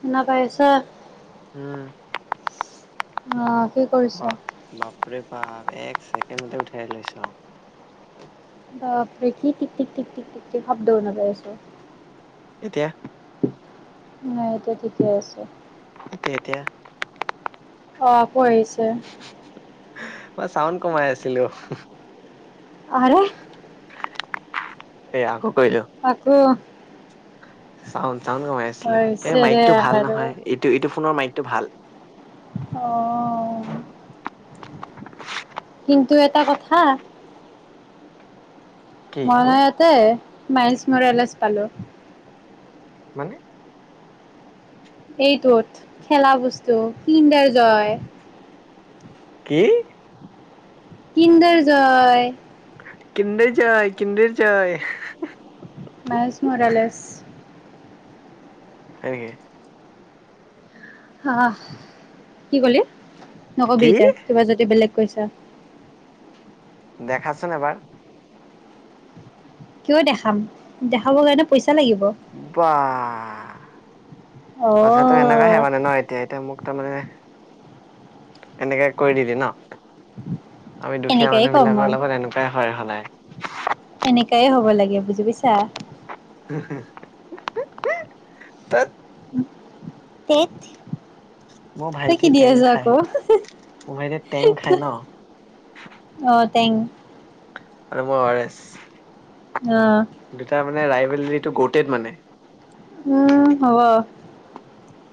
শুনা পাই আছো ত উম। অ কি বা কৰিছা? বাপৰে অ এক ছেকেণ্ডতে উঠাই লৈছ বাপ ফুৰি কি টিক টিক টিক টিক টিক শব্দও লগাইছ এতিয়া। নাই এতিয়া ঠিকে আছে এ এতিয়া অ আকৌ আহিছে মই চাউণ্ড কমাই আছিলো। আৰে এয়া আকৌ কৰিলো আকৌ চাউণ্ড কমাই আছিলো এই হৈছে দে মাইকটো ভাল আৰু। নহয় এইটো এইটো ফোনৰ মাইক টো ভাল। অঁ কিন্তু এটা কথা মানে ইয়াতে মাইলছ মুৰালেছ পালো মানে এইটোত খেলা বস্তু কিণ্ডাৰ জয় কি কিন্দৰজয় কিন্দৰ জয়, কিন্দৰ জয় হে হে হে মাইছ মৰেলেছ হয় নিকি অহ কি কলি। নকবি কি এতিয়া কিবা যদি বেলেগ। কৈছা দেখাচোন এবাৰ কিয় দেখাম, দেখাবৰ কাৰণে পইচা লাগিব বাহ! অ কথাটো এনেকোৱাহে মানে ন। এতিয়া, এতিয়া মোক তাৰমানে, এনেকে কৰি দিলি ন? আমি দুখীয়া এনেকাই মানুহ কম মই বিলাকৰ লগত এনেকুৱাই হয়, সদায়। এনেকাইে হ'ব লাগে, বুজি পাইছা। হি! হি! তেত! তেত! মোৰ তই কি ভাইটিয়ে দি আছ টেংক আকৌ খায়। মোৰ ভাইটিয়ে টেংক খায় ন? অ টেং আৰু মই অ' আৰ এছ। অ দুটা মানে ৰাই [unintelligible] গৌতেদ মানে উম হ'ব।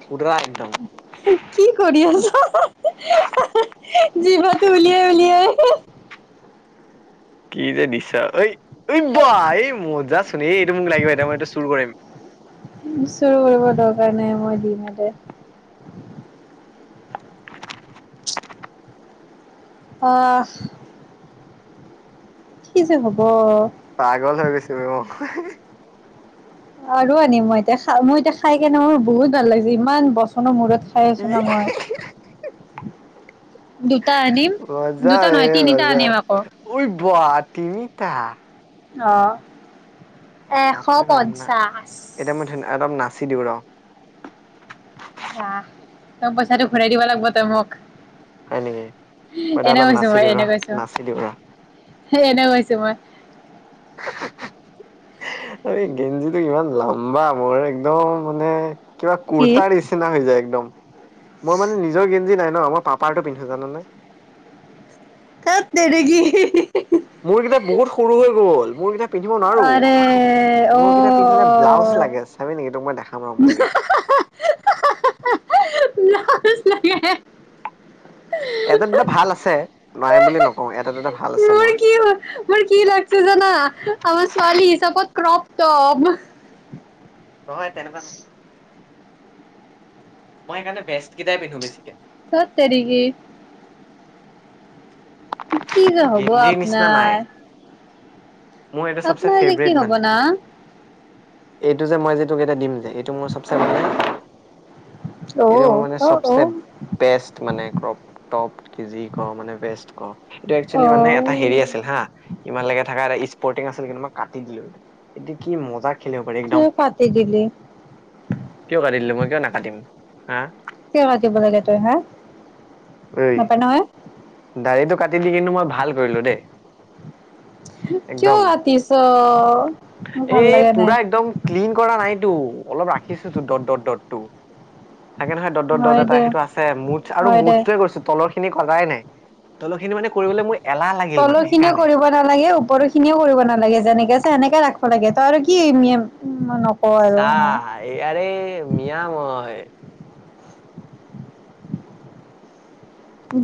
পুতলা একদম। কি কৰি আছ? জিভা তো উলিয়াই, উলিয়াই। কি যে নিচা, ঐ! ঐ বাহ! এই মজা! এই এইটো মোক লাগিব, এতিয়া মই এইটো চুৰ কৰিম। চুৰ কৰিব দৰকাৰ নাই, মই দিম এতে। অ'হ! কি যে হ'ব! পাগল হৈ গৈছোঁ, ৰহ। আৰু আনি মই এতিয়া, মই এতিয়া খাই কেনে মোৰ বহুত ভাল লাগে, ইমান বচৰৰ মূৰত খাই আছোঁ ন মই। দুটা আনিম। মজা দুটা নহয়, তিনিটা আনিম আকৌ। বাহ তিনিটা! অ'হ! বাপৰে বাপ! না, এতিয়া ধুন অলপ নাচ চি দিউ, ৰহ। নাহ, তই পইচাটো ঘূৰাই দিব লাগিব, তই মোক। হয় নেকি? মই এতিয়া এনে অলপ কৈছো নাচি মই দিও এনে ৰহ, কৈছো নাচি দিও ৰহ। এনে কৈছো মই এই গেঞ্জিটো ইমান লম্বা মোৰ, একদম মানে কিবা কি কুৰ্তাৰ নিচিনা হৈ যায়! দম মোৰ মানে নিজৰ গেঞ্জি নাই ন, মই পাপাৰটো পিন্ধো, জান নাই? তেত তেৰী কি! মোৰকেইটা বহুত সৰু হৈ গ'ল, মোৰ কেইটা পিন্ধিব নোৱাৰো। আৰে অ মোৰ কেইটা পিন্ধিলে ব্লাউজ লাগে চাবি নেকি? তোক মই দে [inaudible] লাজ লাগে। এটা দুটা ভাল আছে নাই বুলি নকওঁ এটা দুটা ভাল আছে মোৰ কি মোৰ কি লাগচে জানা আমাৰ ছোৱালী হিচাপত ক্ৰপ টপ নহয় তেনেকুৱা নহয় মই সেইকাৰণে বেষ্ট কেইটাই পিন্ধো বেছিকে ধত তেৰিকি কি যে কিন্তু হ'ব গেঞ্জিৰ নিচিনা নাই আপনাৰ মোৰ এইটো চবচে আপোনাৰ যে ফেভৰেট কি হ'ব মানে না? এইটো যে, মই যে টোক এটা দিম যে, এইটো মোৰ চবচে [unintelligible] অ এইটো মোৰ মানে অ অ চবচে বেষ্ট মানে ক্ৰপটপ কি যি ক মানে বেষ্ট ক এইটো অ এক্সুৱেলি মানে এটা হেৰি আছিল হা ইমান লকে থকা পৰ্টিং আছিল, কিন্তু মই কাটি দিলো এইটো। এতিয়া কি মজা খেলিব পাৰি একদম কিয় কাটি দিলি কিয় কাটি দিলো মই কিয় নাকাটিম হা? কিয় কাটিব লাগে তই হা? নাপায় নহয়। দাৰিটো কাটি দি কিন্তু মই ভাল কৰিলো দেই। কিয় একদম, কাটিছ মোৰ ভাল এই লগা নাই পুৰা একদম ক্লিন কৰা নাইটো, অলপ ৰাখিছোটো ডট ডট ডট। টো হয় দে হয় দে [unintelligible] [unintelligible] নাই তলৰ খিনি মানে কৰিবলৈ মই তলৰ খিনিও কৰিব নালাগে ওপৰ খিনিও কৰিব নালাগে যেনেকে আছে শেনেকে ৰাখ লাগে তই আৰু কি নকওঁ আৰু চা হয় হাই আৰে, [unintelligible] মই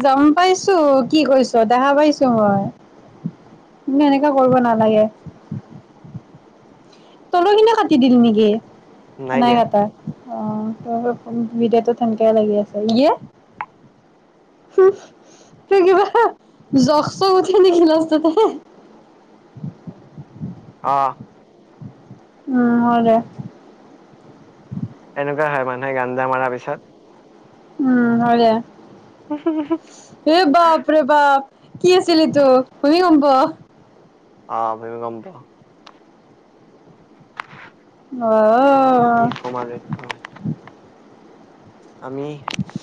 গম পাইছো কি কৰিছ দেখা পাইছো মই কিন্ত এনেকুৱা কৰিব নালাগে তলৰ খিনিও কাটি দিলি নেকি? নাই কটা অ ত বিদটো সেনকাই লাগি আছে ইয়ে তই কিবা জখ চখ উঠি নেকি লাষ্টতে আহ। উম, হয় দে। নাই [unintelligible] মাৰা পিছত উম, হয়দে। এ বাপৰে বাপ কি আছিল এইটো ভূমিকম্প অ প কম্পা [unintelligible] কি সমমাৰ একম [unintelligible] আমি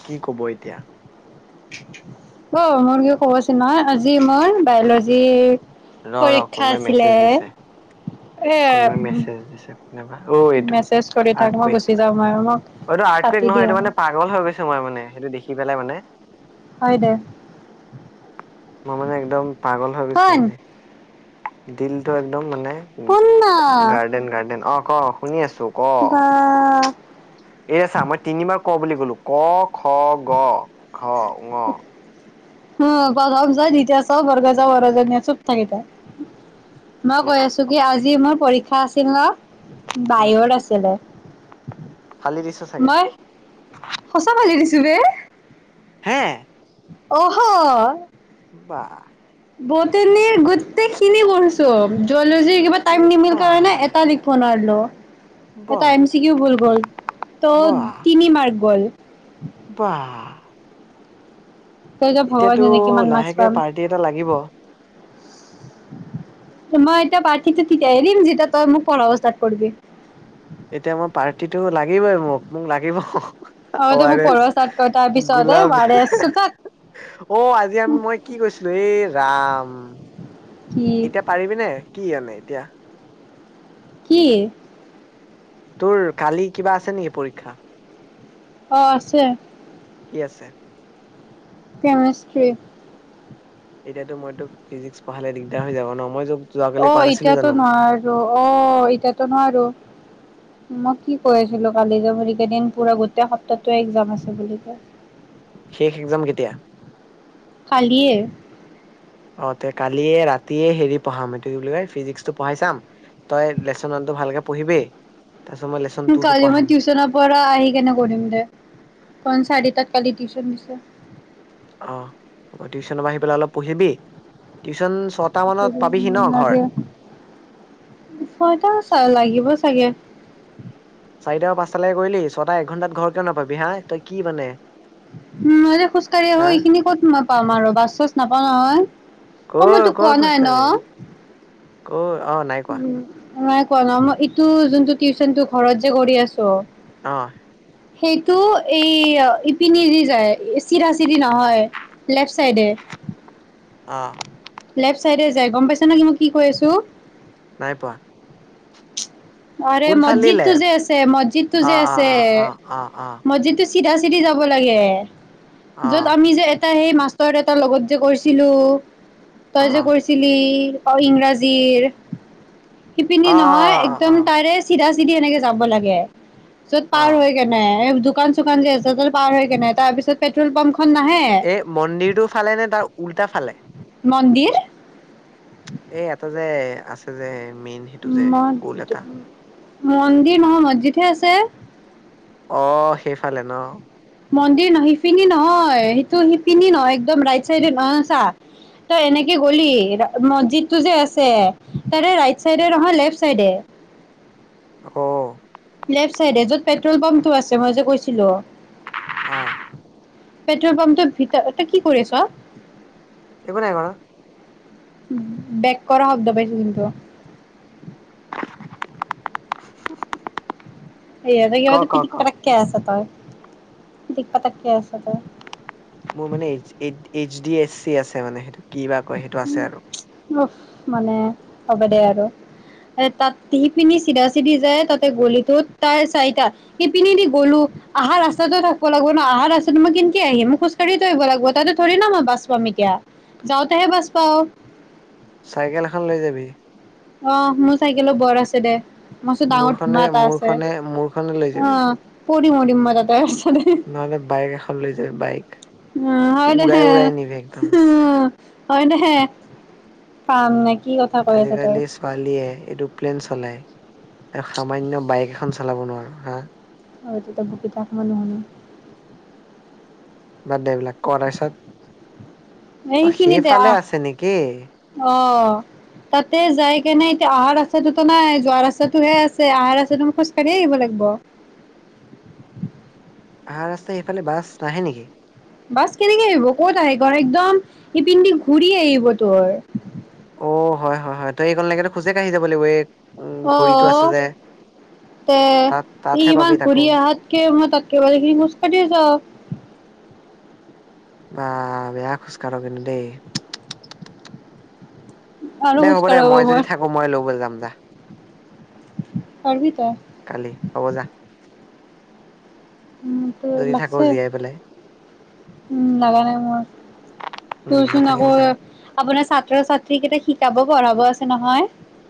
কি কব এতিয়া অ মোৰ কি খবৰচোন নহ আজি মোৰ বায়লজিৰ ৰ ৰ পৰীক্ষা কোনোবাই আছিলে মেছেজ দিছে এ কোনোবাই মেছেজ দিছে কোনবা অ এইটো মেছেজ কৰি থাক মই গুচি আৰ্টকেক যাম আৰু মোক অটো কাটি আৰ্টকেক নহয় দিয়ে এইটো মানে পাগল হৈ গৈছে মই মানে সেইটো দেখি পেলাই মানে [unintelligible] হয় দে মই মানে একদম পাগল হৈ গৈছো শুন মানে দিলটো একদম মানে উ শুন না গাৰ্ডেন গাৰ্ডেন অ অ শুনি আছো ক বা এইয়াছা মই তিনিমাৰ [unintelligible] ক বুলি কলো ক খ গ ঘ ঙ উ চব যায় তেতিয়া চব বগজ বৰজনীয়ে চব থাকি তাই [unintelligible] মই কৈ আছো কি আজি মোৰ পৰীক্ষা আছিল নে [unintelligible] উম বাহিৰত আছিলে ফালি দিছ চাগে মই সঁচা ভালি দিছো [unintelligible] তুৱে হে অহ বা বটনিৰ গোটেই খিনি কৰিছো কিবা টাইম নিমিল কাৰণে বাহ এটা লিখ আৰু হেল্ল' এটা বাহ এম চি কিও ভুল গ'ল ত' তিনি মাৰ্ক গ'ল [unintelligible] বা তই এতিয়া ভগৱান এতিয়াতো জানে কিমান মাৰ্কচ লাহেকে পাম পাৰ্টি এটা লাগিব মই এতিয়া বাৰ্থিতো তেতিয়া এৰিম যেতিয়া তই মোক পঢ়া ষ্টাৰ্ট কৰবি [unintelligible] এতিয়া মই পাৰ্টিটো লাগিবই মোক মোক লাগিব অ তই মোক পঢ়োৱা ষ্টাৰ্ট কৰ তাৰ ওৱাৰেছ পিছত এ গোলাপ আৰ এছ চোতাত অ আজি আমি মই কি কৈছিলো এই [unintelligible] ৰাম কি এতিয়া পাৰিবিনে কি আনে এতিয়া কি তোৰ কালি কিবা আছে নেকি পৰীক্ষা অ আছে- কি আছে? কেমিষ্ট্ৰী এতিয়াতো মই তোক ফিজিক্স- পঢ়ালে দিগদাৰ হৈ যাব ন মই যোৱাকালি অ কোৱা নাছিলো এতিয়াতো জানো নোৱাৰো অ এতিয়াতো নোৱাৰো মই কি কৈ আছিলো কালি যে ভৰি কেইদিন পুৰা গোটেই সপ্তাহে এক্জাম আছে বুলি কয়। শেষ একদাম কেতিয়া? কালিয়ে - অ তে কালিয় ৰাতিয়ে হেৰি পঢ়াম এইটো কি বুলি কয় ফিজিক্সটো পঢ়াই চাম তই লেচনটো ভালকে পঢ়িবি- তাৰপিছত মই লেচন টুটো কালি মই পঢ়াম টিউশন পৰা আহ কিনে কৰিম দে পঞ্চায়ত তাত কালি উলেকশন- ধানিছা অ টিউচন পৰা আহি পেলালো পঢ়িবি টিউচন- মানত দি পাবিহি ইমান ন ঘৰ লাগেয়টা লাগিব চাগে- [inaudible] চাৰিটা পাঁচটালৈকে কৰিলি ছটা একঘণ্টাত ঘৰ কিয় নাপাবি হা তই কি মানে- উ মই যে খোজ কঢ় আহো হা এইখিনি ক'ত মই পাম আৰু বাছ চছ নাপাম। নাপাও নহয় ‌। কৰ ক খোজকাঢ়ি কৰ- অ নাই কোৱা- উম নাই কোৱা ন মই ইটো যোনটো টিউচনটো ঘৰত যে কৰি আছো। আহ সেইটো এই ইপিনি দি যায় চিধা চিধি নহয় লেফ্ট চাইডে। অ লেফট চাইডে য গম পাইছ নাই পোৱা অৰে কোনফালে মছজিদতটো যে লেফ্ট আছে মছজিদ তটো অ যে অ আছে অ অ অ অ মছজিদ। চিধা চিধি যাব লাগে। অ অ য'ত আমি যে- এ সেই মাষ্টৰ দেউটাৰ লগত যে গৈছিলো- তই জে কৰিছিলি অ ইংৰাজীৰ - শিপিনী অ অ নহয় একদম অ তাৰে চিধা চিধি এনেকে যাব লাগে- চ'ত অ পাৰ হৈ কেনে- দোকান চুকান যে আ ত পাৰ হৈেনে তাৰিত পেট্ৰল পাম্প- এই মন্দিৰটো ফালে নে তাৰ উল্টা ফালে- মন্দিৰ [unintelligible] আছে যে। মেইন সেইটো যে গোল এটা মন্দিৰ নহয়, মছজিদহে আছে। অঁ সেইফালে ন? মন্দিৰ নহ শিপিনী নহয়, সেইটো শিপিনী নহয় একদম ৰাইট চাইডে নহয় চা, তই এনেকে গ'লি, মছজিদটো যে আছে, তাৰে ৰাইট চাইডে নহয় লেফট চাইডে। অঁ। লেফ্ট ছাইডে, য'ত পেট্ৰ'ল পাম্পটো আছে, মই যে কৈছিলোঁ। অঁ। পেট্ৰল পাম্পটোৰ ভিতৰত, এ কি কৰিছোৱা? একো নাই কৰা। বেক কৰা শব্দ পাইছো কিন্তু। [inaudible] ক এইয়াটো, ক তই কিবাতু ক পঠিক পটাককে আছ ত'ই। পিটীক পাটনায়কে আছ ত'ই। মোৰ মানে, এইচ ডি এছ চি আছে মানে। কি বা কয়, সেইটো আছে আৰু। উফ মানে হব দে আৰু, এ তাত সি পিনি চিধা চিধি যায় তাতে গলিটো তাই চাৰিটাত, সি পিনে দি গলো, আহা ৰাস্তাতটো থাকিব লাগিব ন, অহা ৰাস্তাটো মই কেনকে আহিম, মই খোজ কাঢ়ি তু আহিব লাগিব, তাত থৰে না মই বাছ পাম এতিয়া যাওঁতেহে বাছ পাওঁ। চাইকেল এখন লৈ যাবি। অ' মোৰ চাইকেলো বৰ আছে দে। মস্ত ডাঙৰ ধুমা মোৰখনে, এটা আছে মোৰখনে, মোৰখনে লৈ যাবি। [unintelligible] মম ম তাতে নলে বাইগ লৈ যায়, বাইক অঁ, হয় দে, উৰাই উৰাই নিবি একদম হা'হা হয়দে, পাম নেকি আজিকালি ছোৱালীয়ে, এইটো প্লেন চলায় সামান্য বাইক এখন চলাব নোৱাৰো হা! আৰু তেতিয়া বকি থাক, মই নুশুনো। বাদ দে এইবিলাক। ক' তাৰ পিছত, অঁ এইখিনিতে সেইফালে আহ আছে নেকি? অ', তাতে যাই কেনে এতিয়া অহা ৰাস্তাটোতো নাই, যোৱা ৰাস্তাটোহে আছে, অহা ৰাস্তাটো মই খোজ কাঢ়িয়ে আহিব লাগিব। ভাল ৰাস্তাই সেইফালে বাছ নাহে নেকি? বাছ কেনেকৈ আহিব, ক'ত আহিব, একদম ইপিনে দি ঘূৰি আহিব তোৰ। অঁ, হয়-হয়-হয় তই এইখনলৈকেতো খোজে কাঢ়ি যাব লাগিব, এই উম ঘড়ীটো আছে অঁ, যে তাত তে' তাতহে পাবি ইমান তাকো ঘূৰি আহাতকে, মই তাককেভাল খিনি খোজ কঢ়িছ যাও। বা বেয়া খোজকাঢ় কিন্তু দেই। আৰু দে খোজ হ'ব দে কাঢ়িব মই যদি থাকো মই লব যাম যা। পাৰিবি তই। কালি হ'ব যা। উম ', ত যদি থাকো লাগছে জীয়াই পেলাই, উম', নাগা নাই মোৰ উম তোৰচোন নাথাকিম আকৌ চাগে। আপোনাৰ ছাত্ৰ ছাত্ৰী কেইটা শিকাব পঢ়াব আছে। নহয়।